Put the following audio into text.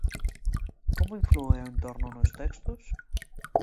Como inflúe o entorno nos textos?